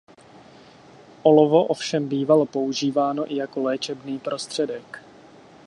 Olovo ovšem bývalo používáno i jako léčebný prostředek.